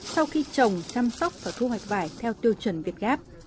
sau khi trồng chăm sóc và thu hoạch vải theo tiêu chuẩn việt gáp